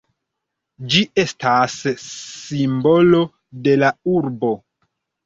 Ĝi estas simbolo de la urbo.